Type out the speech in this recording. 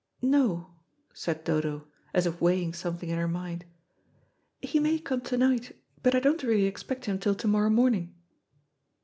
"No," said Dodo, as if weighing something in her mind. "He may come to night, but I don't really expect him till to morrow morning."